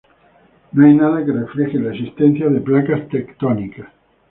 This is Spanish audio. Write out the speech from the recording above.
No hay nada que refleje la existencia de placas tectónicas.